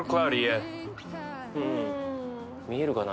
見えるかな。